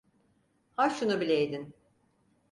Ha şunu bileydin.